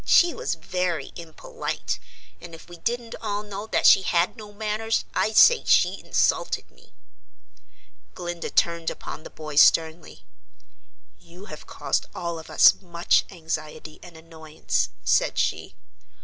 She was very impolite and, if we didn't all know that she had no manners, I'd say she insulted me." Glinda turned upon the boy sternly. "You have caused all of us much anxiety and annoyance," said she.